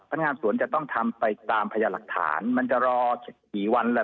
งานสวนจะต้องทำไปตามพยาหลักฐานมันจะรอกี่วันแหละ